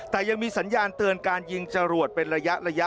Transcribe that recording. แต่ยังมีสัญญาณเตือนการยิงจรวดเป็นระยะ